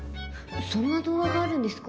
そんな童話があるんですか？